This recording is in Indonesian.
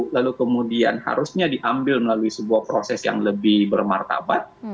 lalu kemudian harusnya diambil melalui sebuah proses yang lebih bermartabat